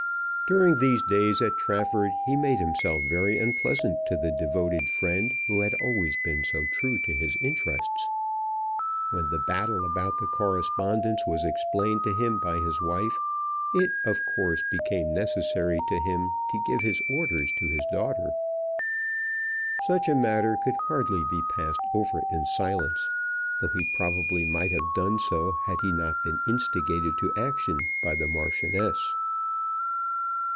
During these days at Trafford he made himself very unpleasant to the devoted friend who had always been so true to his interests. When the battle about the correspondence was explained to him by his wife, it, of course, became necessary to him to give his orders to his daughter. Such a matter could hardly be passed over in silence, though he probably might have done so had he not been instigated to action by the Marchioness.